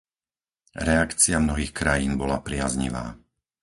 Reakcia mnohých krajín bola priaznivá.